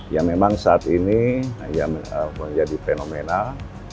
yang memang saat ini menjadi fenomenal